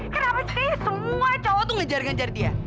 kenapa sih semua cowok tuh ngejar ngejar dia